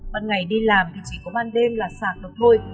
bạn ngày đi làm thì chỉ có ban đêm là xạc được thôi